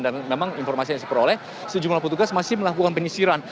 dan memang informasi yang disuperoleh sejumlah petugas masih melakukan penyisiran